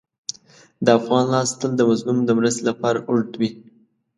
د افغان لاس تل د مظلوم د مرستې لپاره اوږد وي.